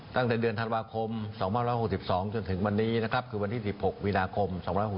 ตั้งแต่เดือนธรรมคม๒๖๒จนถึงวันนี้คือวันที่๑๖วินาคม๒๖๓